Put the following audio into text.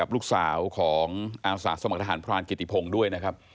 ลูกสาวของอาวุษาสมรรถอาหารพรานกิติพงด้วยนะครับ